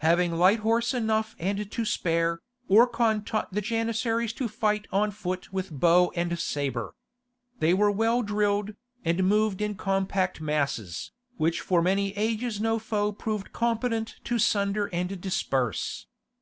Having light horse enough and to spare, Orkhan taught the Janissaries to fight on foot with bow and sabre. They were well drilled, and moved in compact masses, which for many ages no foe proved competent to sunder and disperse.